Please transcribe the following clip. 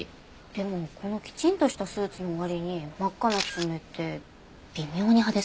でもこのきちんとしたスーツの割に真っ赤な爪って微妙に派手すぎません？